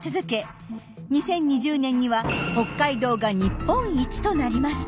２０２０年には北海道が日本一となりました。